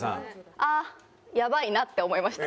あっやばいなって思いました。